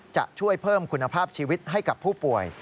จะช่วยเพิ่มคุณภาพชีวิตให้กับผู้ป่วย